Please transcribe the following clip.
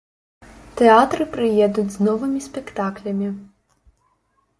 Тэатры прыедуць з новымі спектаклямі.